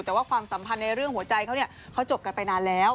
แต่ว่าความสัมพันธ์ในเรื่องหัวใจเขาเนี่ยเขาจบกันไปนานแล้ว